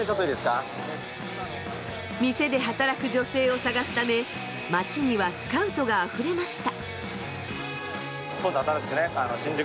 店で働く女性を探すため街にはスカウトがあふれました。